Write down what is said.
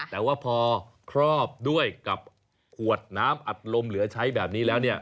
แต่ว่าพอครอบด้วยกับขวดน้ำอัดลมเหลือใช้แบบนี้แล้วเนี่ย